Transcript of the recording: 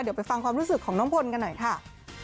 เดี๋ยวไปฟังความรู้สึกของน้องพลกันหน่อยค่ะ